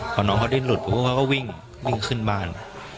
พอน้องเขาได้หลุดผมก็วิ่งวิ่งขึ้นบ้าน